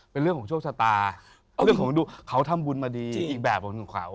เป็นเรื่องของโชคชะตาเรื่องของดวงเขาทำบุญมาดีอีกแบบหนึ่งของเขา